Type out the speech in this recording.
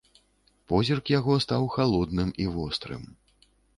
Позірк яго стаў халодным і вострым.